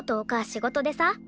仕事でさ